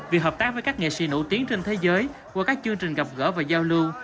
vì hợp tác với các nghệ sĩ nổi tiếng trên thế giới qua các chương trình gặp gỡ và giao lưu